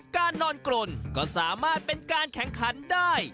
การนอนกรนก็สามารถเป็นการแข่งขันได้